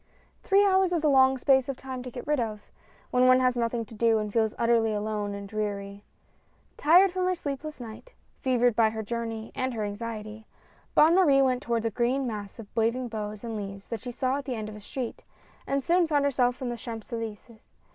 Three hours is a long space of time to get rid of, when one has nothing to do, and feels utterly alone and dreary. Tired from her sleepless night, fevered by her journey and her anxiety, Bonne Marie went toward a green mass of waving boughs and leaves that she saw at the end of a street, and soon found herself on the Champs Elyse^s.